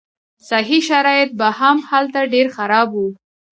صحي شرایط به هم هلته ډېر خراب وو.